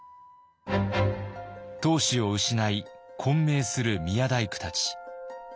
当主を失い混迷する宮大工たち。